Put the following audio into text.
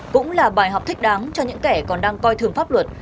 cũng là bài học thích đáng cho những kẻ còn đang coi thường pháp luật